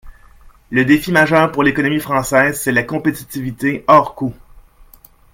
Le défi majeur pour l’économie française, c’est la compétitivité hors coût.